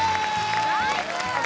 ・ナイス！